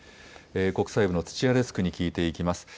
国際部の土屋デスクに聞いていきます。